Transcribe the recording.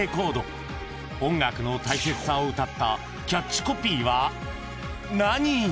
［音楽の大切さをうたったキャッチコピーは何？］